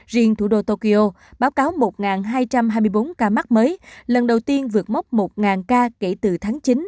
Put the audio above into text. riêng thủ đô tokyo báo cáo một hai trăm hai mươi bốn ca mắc mới lần đầu tiên vượt mốc một ca kể từ tháng chín